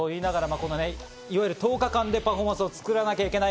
１０日間でパフォーマンスを作らなきゃいけない。